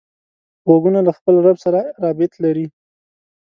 غوږونه له خپل رب سره رابط لري